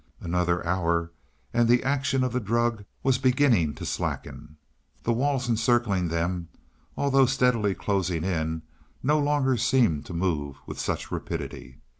Another hour and the action of the drug was beginning to slacken the walls encircling them, although steadily closing in, no longer seemed to move with such rapidity.